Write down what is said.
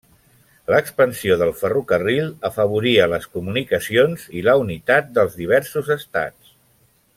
L'expansió del ferrocarril afavoria les comunicacions i la unitat dels diversos Estats.